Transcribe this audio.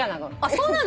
そうなの？